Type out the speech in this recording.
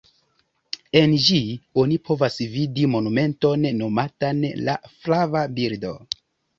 En ĝi, oni povas vidi monumenton nomatan “La flava birdo”.